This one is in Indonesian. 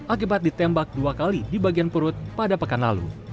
akibat ditembak dua kali di bagian perut pada pekan lalu